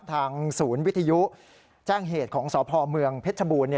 ทางศูนย์วิทยุแจ้งเหตุของสพเมืองเพชรบูรณ์